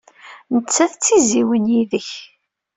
Nettat d tizzyiwin yid-k.